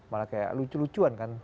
malah kayak lucu lucuan kan